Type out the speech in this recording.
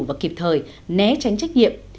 và kịp thời né tránh trách nhiệm